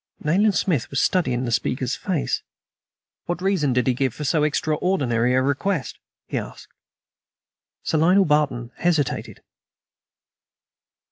Nayland Smith was studying the speaker's face. "What reason did he give for so extraordinary a request?" he asked. Sir Lionel Barton hesitated.